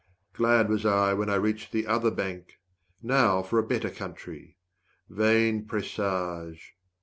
Glad was I when I reached the other bank. Now for a better country. Vain presage!